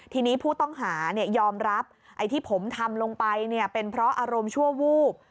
ทีนี้ผู้ต้องหายอมรับไอ้ที่ผมทำลงไปเป็นเพราะอารมณ์ชั่ววูบ